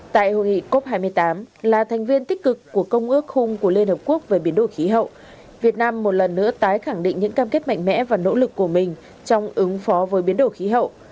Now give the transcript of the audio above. tại hội nghị cop hai mươi tám là thành viên tích cực của công ước khung của liên hợp quốc về biến đổi khí hậu việt nam một lần nữa tái khẳng định những cam kết mạnh mẽ và nỗ lực của mình trong ứng phó với biến đổi khí hậu